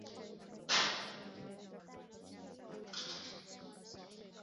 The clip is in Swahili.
Pia kundi liliahidi ushirika na Islamic State mwaka elfu mbili na kumi na tisa